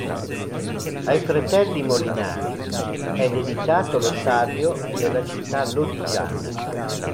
Ai fratelli Molinari è dedicato lo stadio della città lodigiana.